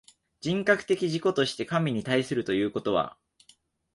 人格的自己として神に対するということは、